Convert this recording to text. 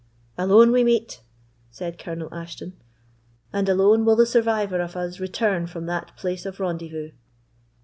"Alone we meet," said Colonel Ashton, "and alone will the survivor of us return from that place of rendezvous."